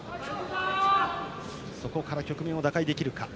そこから局面を打開できるか。